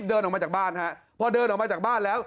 เดินออกมาจากบ้านฮะพอเดินออกมาจากบ้านแล้ว